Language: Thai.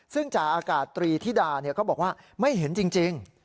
ซึ่งจ่าอากาศตรีธิดาก็บอกว่าไม่เห็นจริง